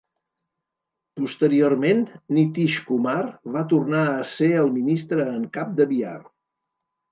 Posteriorment, Nitish Kumar va tornar a ser el ministre en cap de Bihar.